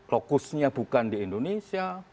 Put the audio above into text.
lokusnya bukan di indonesia